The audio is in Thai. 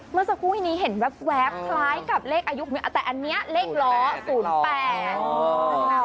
เมื่อสักครู่นี้เห็นแว๊บคล้ายกับเลขอายุแต่อันนี้เลขล้อ๐๘